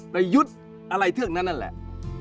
ไปยุดอะไรเทือกนั้นแหละ